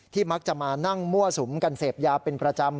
มักจะมานั่งมั่วสุมกันเสพยาเป็นประจำ